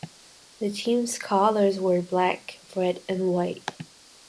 The team's colors were black, red and white.